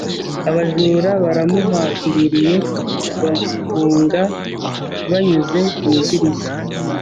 Abajura baramuhambiriye bahunga banyuze mu idirishya.